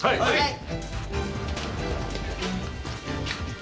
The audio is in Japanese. はい！